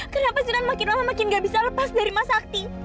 kenapa sudah makin lama makin gak bisa lepas dari masa akti